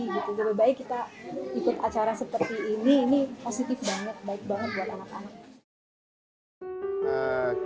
lebih baik kita ikut acara seperti ini ini positif banget baik banget buat anak anak